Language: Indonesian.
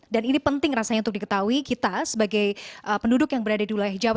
dan ini penting rasanya untuk diketahui kita sebagai penduduk yang berada di wilayah jawa